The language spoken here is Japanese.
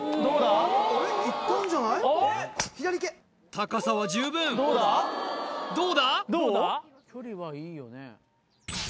高さは十分どうだ？